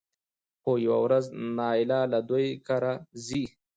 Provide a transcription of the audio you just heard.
خو يوه ورځ نايله له دوی کره ځي